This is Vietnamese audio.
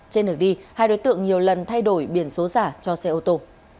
trên đường đi hai đối tượng nhiều lần thay đổi biển số giả cho xe ô tô